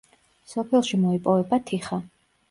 სოფელში მოიპოვება თიხა.